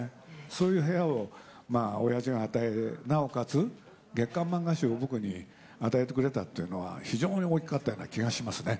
そういう部屋をおやじが与え、なおかつ月刊漫画誌を僕に与えてくれたっていうのは、非常に大きかったような気がしますね。